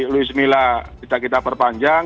luismila kita kita berpanjang